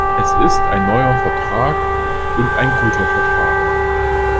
Es ist ein neuer Vertrag und ein guter Vertrag.